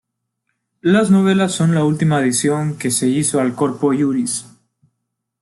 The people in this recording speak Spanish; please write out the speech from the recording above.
Las Novelas son la última adicción que se hizo al "Corpus Iuris".